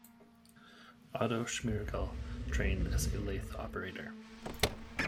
Otto Schmirgal trained as a lathe operator.